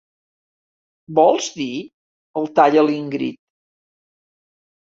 Vols dir? —el talla l'Ingrid.